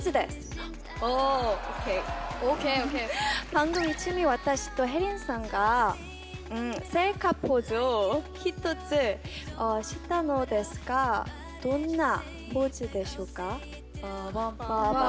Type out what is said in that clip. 番組中に私とＨＡＥＲＩＮさんがセルカポーズを１つしたのですがどんなポーズでしょうか？